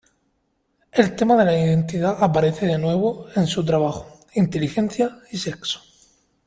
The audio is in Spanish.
El tema de la identidad aparece de nuevo en su trabajo: “Inteligencia y sexo.